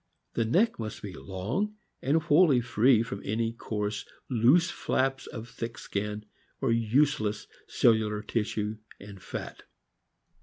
The neck must be long, and wholly free from any coarse, loose flaps of thick skin or useless cellular tissue and fat.